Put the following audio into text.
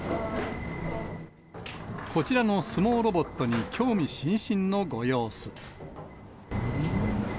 こちらの相撲ロボットに興味津々のご様子。